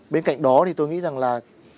bên cạnh đó thì tôi nghĩ rằng là